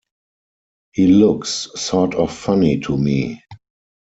He looks sort of funny to me.